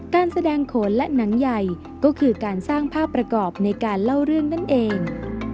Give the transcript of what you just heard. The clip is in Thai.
การแสดงโขนและหนังใหญ่ก็คือการสร้างภาพประกอบในการเล่าเรื่องนั่นเอง